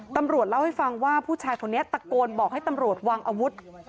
ตำรวจเล่าให้ฟังว่าผู้ชายคนนี้ตะโกนบอกให้ตำรวจวางอาวุธ